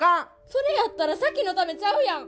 それやったら咲妃のためちゃうやん。